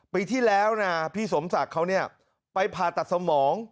ปีที่แล้วนะพี่สมศักดิ์เขาเนี่ยไปผ่าตัดสมอง